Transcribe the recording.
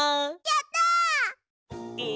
やった！え